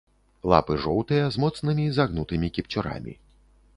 Лапы жоўтыя, з моцнымі загнутымі кіпцюрамі.